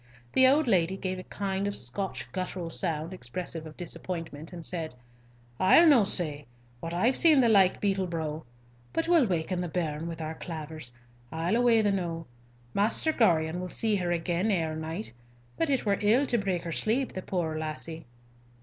The old lady gave a kind of Scotch guttural sound expressive of disappointment, and said, "I'll no say but I've seen the like beetle broo. But we'll waken the bairn with our clavers. I'll away the noo. Maister Gorion will see her again ere night, but it were ill to break her sleep, the puir lassie!"